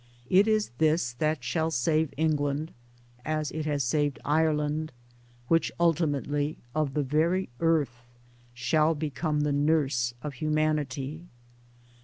It is this that shall save England (as it has saved Ireland) ; which ultimately — of the very Earth — shall become the nurse of Humanity.